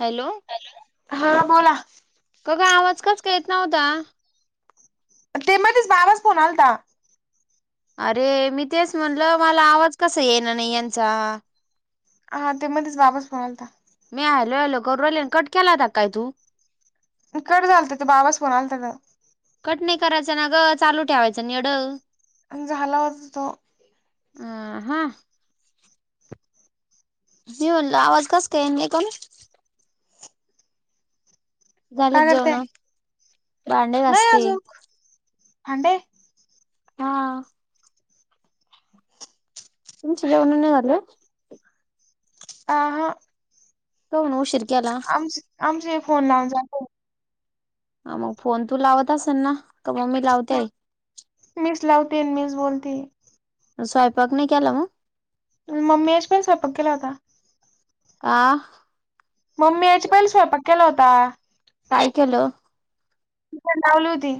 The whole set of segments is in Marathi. हॅलो, हा बोला का गं आवाज कसं काय येत नव्हता? ते, मध्येच बाबाचा फोन आलता. अरे, मी तेच म्हणलं, मला आवाज कसा येईना नई यांचा. हा, ते मधीच वापस फोन आलता. मी हॅलो हॅलो करू राहिले अन, कट केला हुता का काय तू? नी कट झालता, ते बाबाचा फोन आलता तर. कट नई करायचं ना गं, चालू ठेवायचा नं यडं! अन झालाच तो. अं, हं. मी म्हणलं, आवाज कस काय येईना लई कमी? झाले काय का करते, जेवण भांडे नई घासते अजूक, भांडे? हा. तुमची जेवणं नई झाले? आं हं. कमून उशीर केला? आमचेही फोन लावून झाले. हं मग फोन तू लावत असन ना, तर मग मी लावतेय. मीच लावतेय अन मीच बोलतेय. स्वयंपाक नई केला मग? [unintelligible] पण स्वयंपाक केला होता. आ? मम्मी यायच्या पहिले, स्वयंपाक केला होता. काय केलं? खिचडी लावली होती.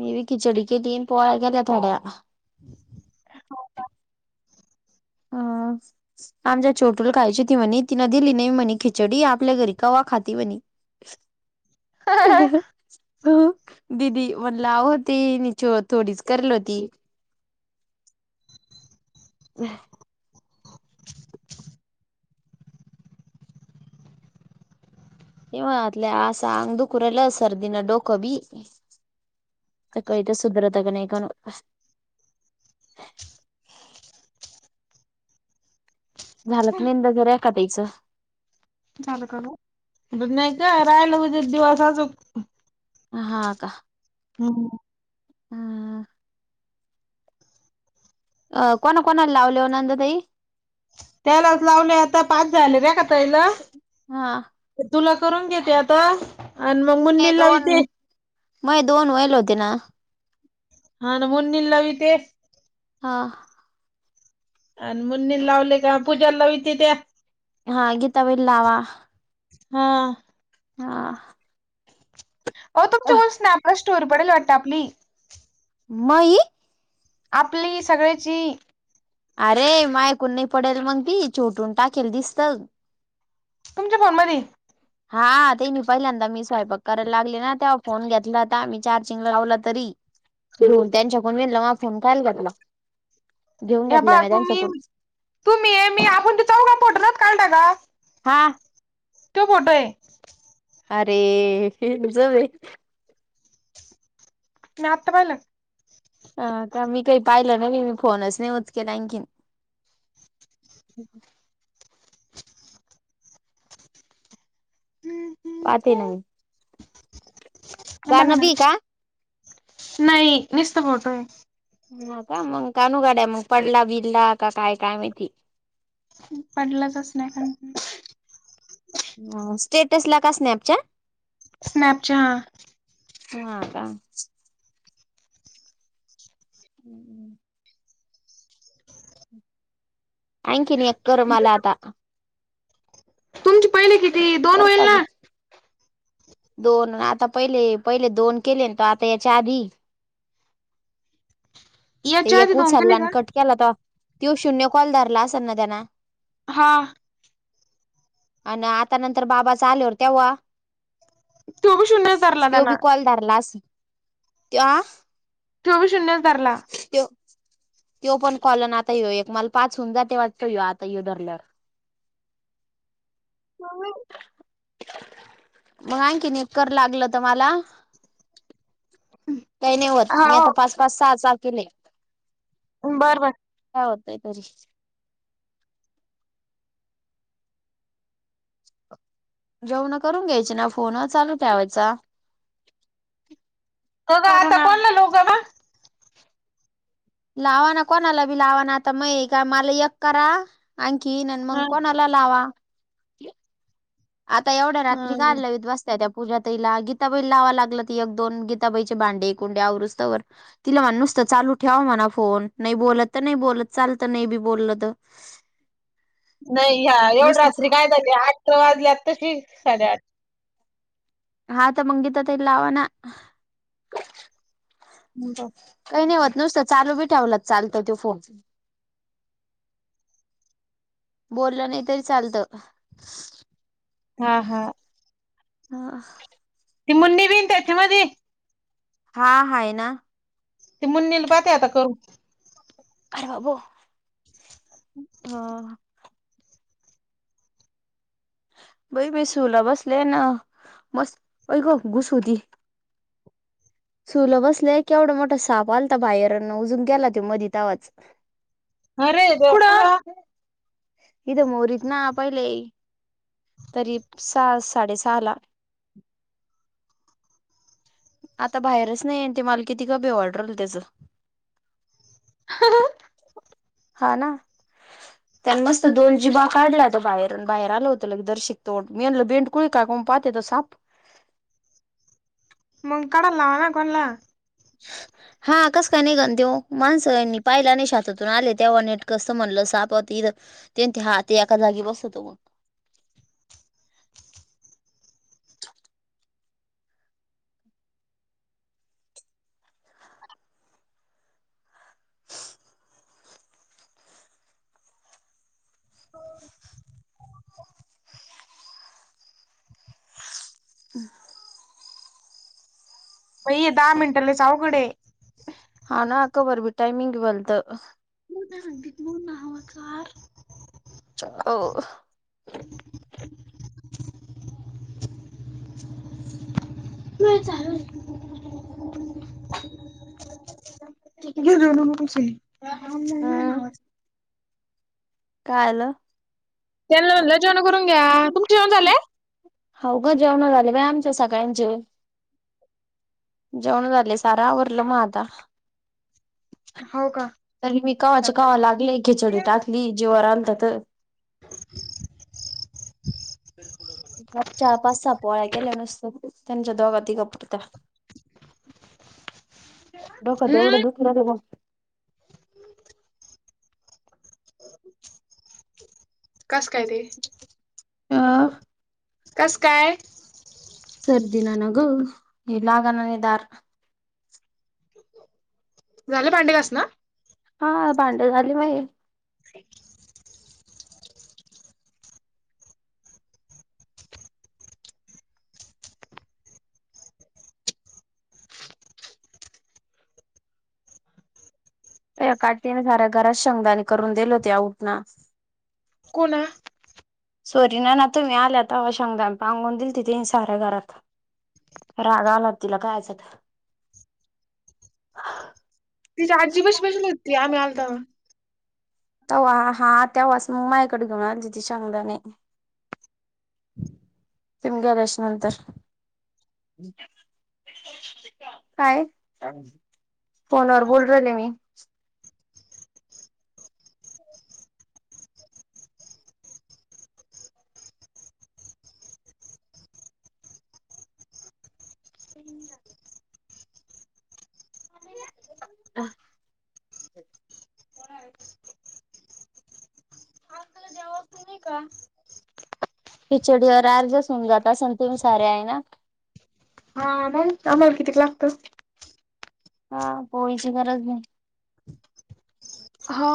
मी बी, खिचडी केली नी, पोळ्या केल्या थोड्या. [inaudible] अं. आमच्या छोटूला खायची होती म्हणे, तिनं दिली नई म्हणे खिचडी, आपल्या घरी कवा खाती म्हनी. [inaudible] दीदी म्हटलं आवो, ती नी, छो... थोडीच करल होती. [inaudible] [unintelligible] आसं आंग दुखू राहिलं, सर्दीनं डोकं बी. तर काई तर सुधरतं का नाई कानू झालं का [unintelligible] रेखा ताईचं? झालं का गं? नई गं, राहीलं उद्याच्या दिवस अजूक. हा का? हम्म. हा. अं, कोणा कोणाला लावल्या वं नंदाताई? त्यालाच लावले आता, पाच झाले रेखा ताईला. हा तुला करून घेते आता. आणि मग म मै दोन, मै दोन होईल होते ना? हा ना, मुन्नीला लावीते. हा. आणि मुन्नीला लावले का, पूजा लावीते त्या. हा, गीताबाईला लावा. हा. हा. ओ, तुमच्या कडून स्नॅपला स्टोरी पडायली वाटतं आपली. मई? आपली सगळ्याची. अरे माया कडून नाही पडेल, मग ती छोटून टाकेल दिसतं. तुमच्या फोनमध्ये? हा. ते नाही पहिल्यांदा मी स्वयंपाक करायला लागले ना, तेव्हा फोन घेतला होता मी चार्जिंग लावला तरी. तेरो त्यांच्याकून, नवीन फोन कायला घेतला? घेऊन हे घेतला पहा म्या तुम्ही त्यांच्याकूनच. तुम्ही ये, मी आपण तो चौघं फोटो नव्हता काढला का, हा त्यो फोटो आहे. अरे! हे न जवे. तुम्ही आता पाहिलं? ह का, मी काही पाहिलं ना, मी फोनच नाही यूज केला आणखीन. पाहते ना मी. बघा गाणं ना. बी का नाही. निस्त फोटो आहे. ह का मग कानू गड्या मग पडला बिडला का काय काय माहिती? पडलाच असल एखादं स्टेटसला का स्नॅपच्या? स्नॅपच्या हां. हा का? हम्म. आणखीन एक कर मला आता. तुमची पहिली किती? की दो एक अजून. दोन अन आता पहिले-पहिले दोन, केलें न तुवा आता याच्या आधी? ते याच्या आधी एक दोन उचलला केले आणि का कट केला तवा तो शून्य कॉल धरला असंल ना त्याना. हा. आणि आता नंतर, बाबाचा आलेवर तेव्हा तो बी शून्यच धरला त्यो त्यांना बी कॉल धरला असल, त्यो आ? तो बी शून्यच धरला. त्यो, त्यो पण कॉल अन आता ये एक मला पाच होऊन जाते वाटतो ये आता ये धरल्यावर. मम्मी मग आणखीन एक कर, लागलं तर मला. काही नाही व्हत. मी हा आता पाच-पाच सहा-सहा केले. बरं बरं. काय होतय तरी? जेवण करून घ्यायचे ना? फोन चालू ठेवायचा. क का आता कोणला [unintelligible] लावाना कोणाला बी लावाना आता मइ मग का मला एक करा आणखीन इनन मग हा कोणाला लावा. आता एवढ्या हा रात्री काल लावीत बस. त्या त्या पूजाताईला गीताबाई लावा लागलं त एक-दोन गीताबाईचे भांडे कुंडे आवरुस्तवर. तिला म्हण नुसतं चालू ठेवा म्हणा फोन नाही बोलत तर नाही बोलत चालत नाही बी बोललं तर. नाही हा एवढ नुसतं रात्री फो- काय झाली? आठ वाजल्यात आताशी साडेआठ. हा ते मंग गीता तइला लावा ना? हम्म बर. काही नाही होत नुसतं चालू बी ठेवला त चालत त्यो फोन. बोललं नाही तरी चालत. हा हा. हा. ती मुन्नी बी हायना त्याच्या मध्ये. हा हाय ना. ती मुन्नीला पाहते आता करून. अरे बाबो. हा. बई मी सूला बसले ना मस्त बाई ग घुस होती. सुला बसलं केवढा मोठा साप आलता बाहेरन, उजुन गेला मधी तव्हाच. अरे दे कुढा? हित मोरीत ना पाहिले. तरी सहा साडे सहाला. आता बाहेरच नाही येंटी माल कितीबी वाटरलं त्याचं. [unintelligible] हा ना? त्यानं मस्त दोन जीभा काढल्या तर बाहेरून बाहेर आल होत. लगेच दर्शिक तोंड मी म्हटलं बेंडकुळी काऊन पाहते तर साप. मंग काढाला लावा ना कोणला. [inaudible] हा कस काय निघन त्यो माणसं पाहिला नाही शेतातून आले तेव्हा नीट कसं म्हणलं साप तिथं. ते आणि ते हा ते एका जागी बसतो मग. [inaudible] बाई हे दहा मिनट लईच अवघड आहे. हा ना कबर बई टईमिंग बलत. [unintelligible] [unintelligible] [inaudible] नाही चालू हम्म [unintelligible] [unintelligible] काय आलं? त्यांनला म्हणलं जेवणं करून घ्या. तुमचं जेवण झाले? हाऊ का? जेवण झाले बाई आमच्या सगळ्यांचे. जेवण झाले. सार आवरलं मग आता. हो का तरी मी कवाच्या कवा लागले खिचडी टाकली जिवावर आलत तर. [inaudible] मग चार पाच सहा पोळ्या केल्या. नुसत त्यांच्या दोघा तिघा पुरत्या. डोक तर एवढं हम्म दुखलं ग माझं. कस काय ते? हा कस काय? सर्दीन ना ग हे लागलं आणि धार झाले भांडी घासणं हा भांडी झाली माझी. [inaudible] ह्या कार्टिन साऱ्या घरात शेंगदाणे करून दिले होते. उठना. कोणा सॉरी नाना तुम्ही आला तवा शेंगदाणे पांगून दिलती तिनं साऱ्या घरात राग आला तिला कायछातं तिच्या आजी पशी बशली हुती आम्ही आलो तवा तवा हा तेव्हाच मायाकडे घेऊन आलती ती शेवदाने तिम गबश नंतर काय फोनावर बोलु राहीले मी [inaudible] ते का पिचडीवर आर्जसून जात असन तेन सारे आय नात पण आम्हाला कितीक लागतस हा गोळीची गरज नाही. हा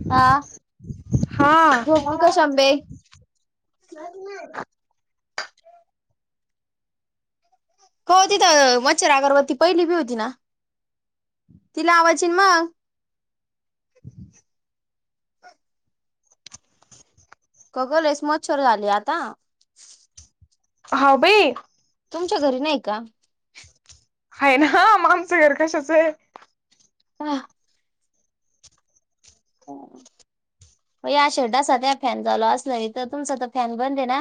[inaudible] हा झोपू जी शंभे [unintelligible] का ओ तिथं मच्छर अगरबत्ती पहिली बी हुती ना तिला आवाचीन मग कगलेस मच्छर झाले आता हा बाई तुमच्या घरी नाय का आहे ना म आमचं घर कशाचं आय हा [inaudible] म या अशा डासा त्या फॅन चालू असलं इथं तुमचा तर फॅन बंद ए ना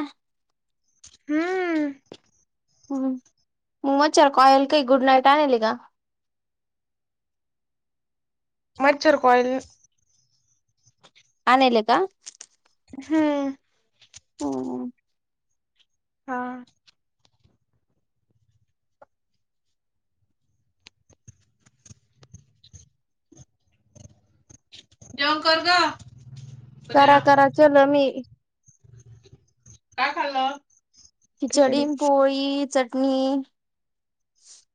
हम् हम मच्छर कॉईल काही गुड नाईट आनली का मच्छर कॉईल आनायले का हम्म हम्म हा जेवण कर गं करा करा चाललो मी. काय खाल्लं? खिचडी खिचडीन, पोळी, चटणी.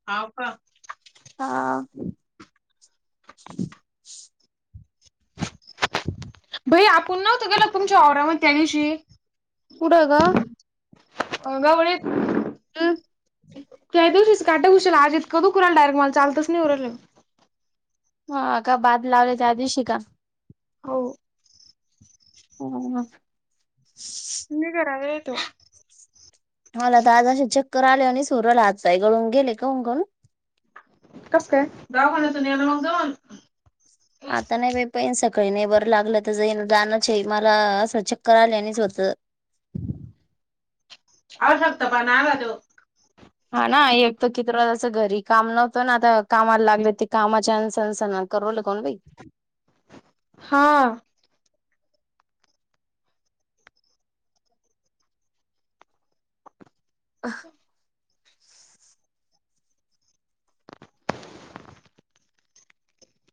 हाव का? हा. भैय्या आपुण नव्हतो गेलो तुमच्या औडावत त्या दिवशी. कुठं गं? गवळीत. [inaudible] त्या दिवशीस काटा घुशला आज इतका दुखला डायरेक्ट मला चालताच नाय ओरडले मी. हा का बाद लावले त्या दिवशी का? हो. हा. मी जरा वेळ येतो. मला तर आज असे चक्कर आले आणि सुरला आज काय गळून गेले काऊन गोण. कस काय? दवाखान्यातून नेलं मग जाऊन. हा आत्ता नाय बाई. तेन सकाळी नाही बरं लागलं तर जाईन जानचे मला असं चक्कर आल्यानेच होतं. अशक्तपणा आला त्यो. हा ना एक तर किती रहायचं घरी काम नव्हतं ना आता कामाला लागले ते कामाच्या अनसनसनात. करवलं कोण बाई. हा. [inaudible]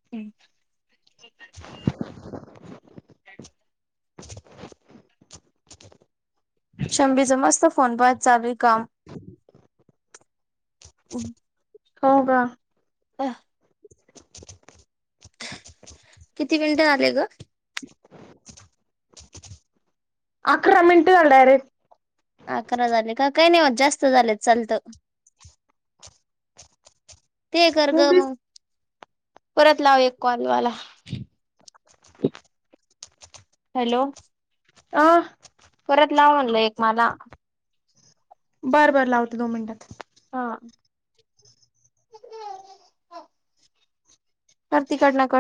[inaudible] पीच [inaudible] शंभीचा मस्त! फोन पाहात चालू काम हो का? अ किती? मिनिटं झाले ग अकरा मिनट झाले डरेक्ट. अकरा झाले काही नाही जास्त झाले चालत. ते कर ग वीस मग परत लाव एक कॉलवाला. हॅलो. अ परत लाव म्हनलं एक मला. बरं बरं लावते दोन मिनिटात. हा. ह [inaudible] कर तिकडन कट.